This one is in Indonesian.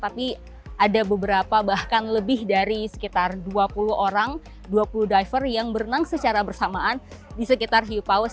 tapi ada beberapa bahkan lebih dari sekitar dua puluh orang dua puluh diver yang berenang secara bersamaan di sekitar hiu paus